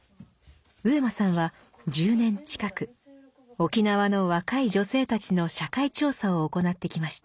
上間さんは１０年近く沖縄の若い女性たちの社会調査を行ってきました。